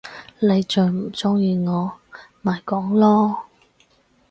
你再唔中意我，咪講囉！